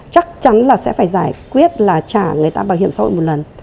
chắc chắn là sẽ phải giải quyết là trả người ta bảo hiểm xã hội một lần